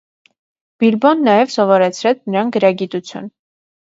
Բիլբոն նաև սովորեցրեց նրան գրագիտություն։